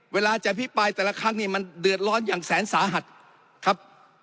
เวลาจะอภิปรายแต่ละครั้งนี่มันเดือดร้อนอย่างแสนสาหัสครับ